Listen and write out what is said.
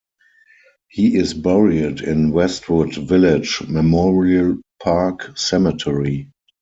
He is buried in Westwood Village Memorial Park Cemetery.